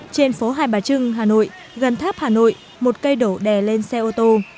trên phố hai bà trưng hà nội gần tháp hà nội một cây đổ đè lên xe ô tô